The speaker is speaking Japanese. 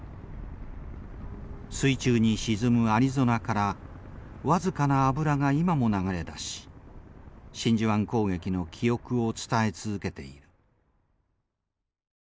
水中に沈むアリゾナからわずかな油が今も流れ出し真珠湾攻撃の記憶を伝え続けている。